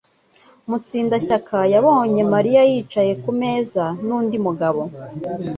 Mutsindashyaka yabonye Mariya yicaye kumeza nundi mugabo.